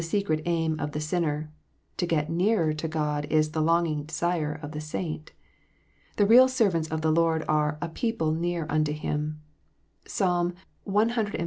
secret aim of the sinner ; to get nearer to God is the longing desire of the saint. The real servants of the Lord are " a people near unto Him." (Psalm cxlviii.